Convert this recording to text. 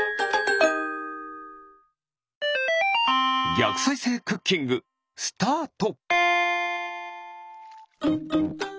ぎゃくさいせいクッキングスタート！